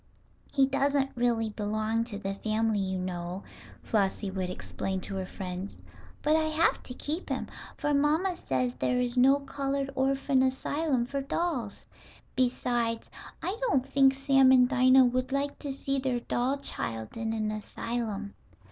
"He doesn't really belong to the family, you know," Flossie would explain to her friends. "But I have to keep him, for mamma says there is no colored orphan asylum for dolls. Besides, I don't think Sam and Dinah would like to see their doll child in an asylum."